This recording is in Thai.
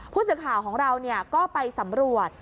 ผู้สื่อข่าวของเราก็ไปสำรวจ